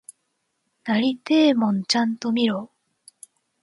なりてえもんちゃんと見ろ！